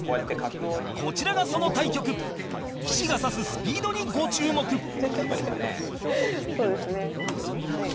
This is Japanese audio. こちらが、その対局棋士が指すスピードにご注目司会：早いです。